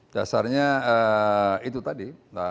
dasarnya itu tadi